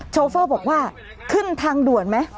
โชเฟอร์บอกว่าขึ้นทางด่วนไหม